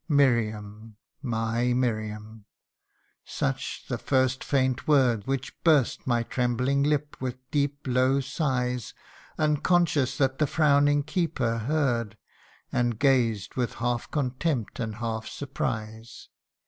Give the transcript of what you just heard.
' Miriam ! my Miriam !' Such the first faint word Which burst my trembling lip with deep low sighs, Unconscious that the frowning keeper heard, And gazed with half contempt, and half surprise.